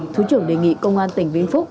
thứ trưởng đề nghị công an tỉnh vĩnh phúc